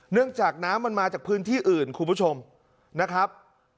จากน้ำมันมาจากพื้นที่อื่นคุณผู้ชมนะครับ